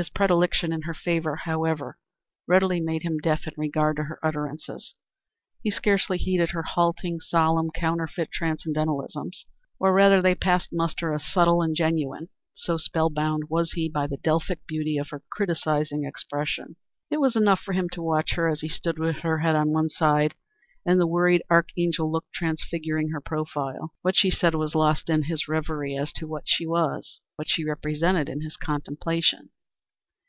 His predilection in her favor, however, readily made him deaf in regard to her utterances. He scarcely heeded her halting, solemn, counterfeit transcendentalisms; or rather they passed muster as subtle and genuine, so spell bound was he by the Delphic beauty of her criticising expression. It was enough for him to watch her as she stood with her head on one side and the worried archangel look transfiguring her profile. What she said was lost in his reverie as to what she was what she represented in his contemplation.